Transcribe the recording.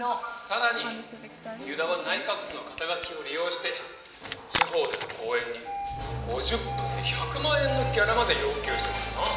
さらに遊田は内閣府の肩書を利用して地方での講演に５０分で１００万円のギャラまで要求してますなぁ。